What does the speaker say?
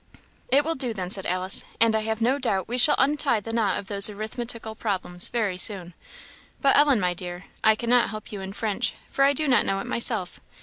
"It will do, then," said Alice; "and I have no doubt we shall untie the knot of those arithmetical problems very soon. But, Ellen, my dear, I cannot help you in French, for I do not know it myself.